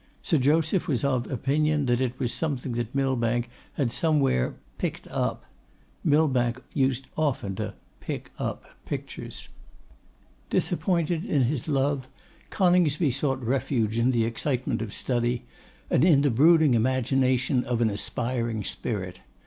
Sir Joseph was of opinion that it was something that Millbank had somewhere 'picked up.' Millbank used often to 'pick up' pictures. Disappointed in his love, Coningsby sought refuge in the excitement of study, and in the brooding imagination of an aspiring spirit.